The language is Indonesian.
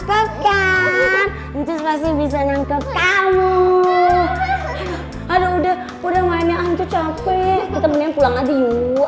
ketangkepkan bisa nangkep kamu ada udah udah mainnya capek kita pulang lagi yuk